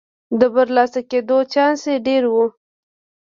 د برلاسه کېدو چانس یې ډېر و.